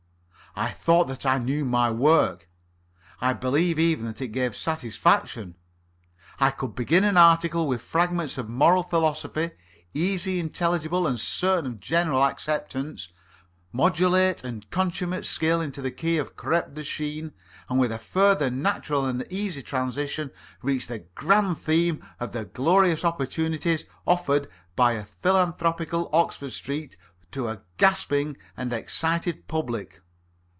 I thought that I knew my work. I believe even that it gave satisfaction. I could begin an article with fragments of moral philosophy, easily intelligible and certain of general acceptance, modulate with consummate skill into the key of crêpe de chine, and with a further natural and easy transition reach the grand theme of the glorious opportunities offered by a philanthropical Oxford Street to a gasping and excited public.